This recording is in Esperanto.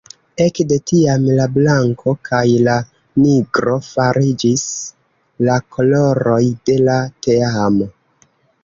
Ekde tiam la blanko kaj la nigro fariĝis la koloroj de la teamo.